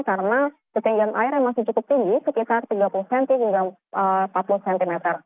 karena tinggian airnya masih cukup tinggi sekitar tiga puluh cm hingga empat puluh cm